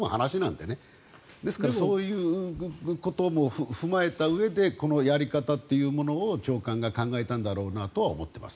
ですからそういうことも踏まえたうえでこのやり方というものを長官が考えたんだろうなと思っています。